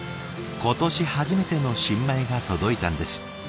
今年初めての新米が届いたんです。